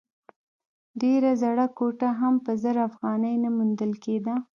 ډېره زړه کوټه هم په زر افغانۍ نه موندل کېده.